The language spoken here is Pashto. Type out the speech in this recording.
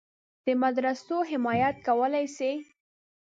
د مدرسو حمایت کولای شي.